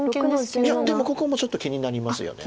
いやでもここもちょっと気になりますよね。